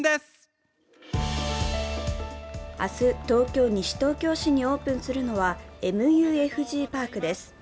明日、東京・西東京市にオープンするのはＭＵＦＧＰＡＲＫです。